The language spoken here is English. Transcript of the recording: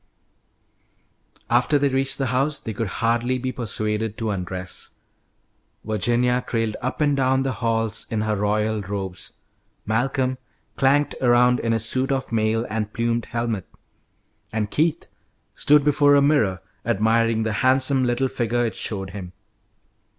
After they reached the house they could hardly be persuaded to undress. Virginia trailed up and down the halls in her royal robes, Malcolm clanked around in his suit of mail and plumed helmet, and Keith stood before a mirror, admiring the handsome little figure it showed him.